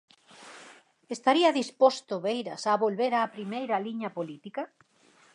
Estaría disposto Beiras a volver á primeira liña política?